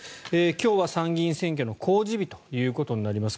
今日は参議院選挙の公示日ということになります。